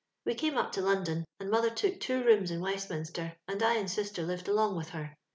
We came up to London, and mother took two rooms in Wei^minster, and I and sister lived along with her.